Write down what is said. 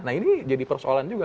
nah ini jadi persoalan juga